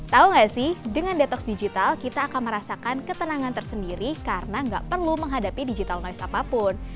tahu nggak sih dengan detox digital kita akan merasakan ketenangan tersendiri karena nggak perlu menghadapi digital noise apapun